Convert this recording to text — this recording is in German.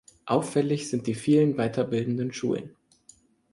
Auffällig sind die vielen weiterbildenden Schulen.